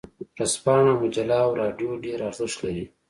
ورځپاڼه، مجله او رادیو ډیر ارزښت لري.